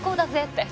って。